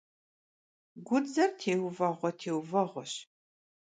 Гудзэр теувэгъуэ-теувэгъуэщ.